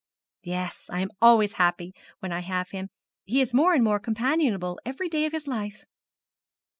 'Yes. I am always happy, when I have him he is more and more companionable every day of his life.'